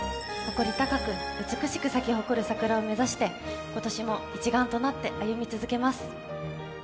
誇り高く、美しく咲き誇る櫻を目指して今年も一丸となって歩み続けます。